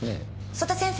曽田先生